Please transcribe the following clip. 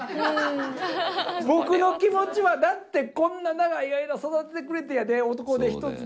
僕の気持ちはだってこんな長い間育ててくれてやで男手一つで。